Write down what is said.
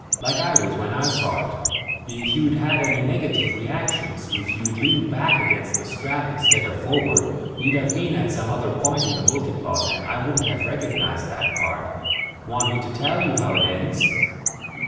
Like I was when I saw it. If you'd had any negative reactions if you'd leaned back against the strap instead of forward you'd have been at some other point in the multiplot and I wouldn't have recognized that part. Want me to tell you how it ends?"